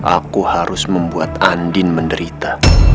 aku harus membuat andin menderita